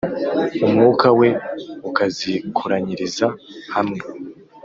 umwuka we ukazikoranyiriza hamwe.